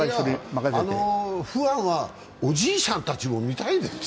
ファンは、おじいさんたちも見たいですよ。